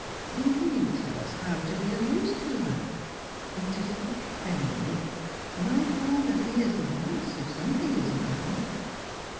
Then can you tell us how to be of use to her? To speak plainly, my father fears the worst, if something isn't done."